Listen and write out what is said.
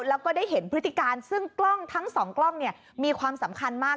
แล้วก็ได้เห็นพฤติการซึ่งกล้องทั้งสองกล้องเนี่ยมีความสำคัญมาก